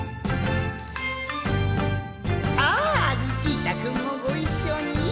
さあルチータくんもごいっしょに。